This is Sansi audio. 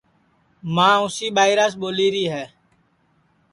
ماں اُسی ٻائیراس ٻولیری ہے